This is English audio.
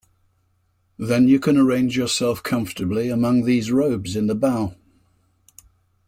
Then you can arrange yourself comfortably among these robes in the bow.